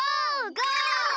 ゴー！